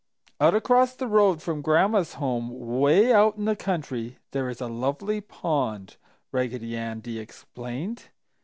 "Out across the road from Gran'ma's home, 'way out in the country, there is a lovely pond," Raggedy Andy explained.